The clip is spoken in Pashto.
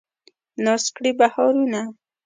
ناز کړي بهارونه